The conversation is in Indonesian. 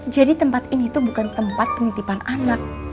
jadi tempat ini tuh bukan tempat penitipan anak